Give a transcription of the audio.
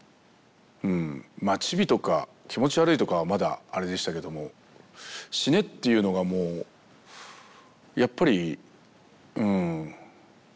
まあ「チビ」とか「気持ち悪い」とかはまだあれでしたけども「死ね！」っていうのがもうやっぱりうん耐えれなくて。